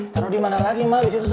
taruh di mana lagi mak di situ semua